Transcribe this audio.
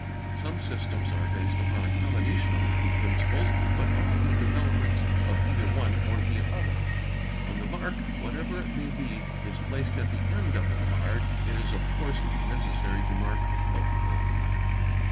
Some systems are based upon a combination of the two principles; but all are developments of either one or the other. When the mark, whatever it may be, is placed at the end of the card, it is of course necessary to mark both ends.